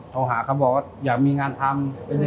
โทรหาเขาบอกว่าอยากมีงานทำ